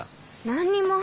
何にも。